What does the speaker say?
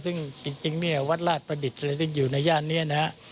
ซึ่งจริงนี่วัฒน์ราชประดิษฐ์อยู่ในย่านนี้นะ